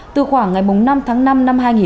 từ khoảng ngày năm tháng năm năm hai nghìn hai mươi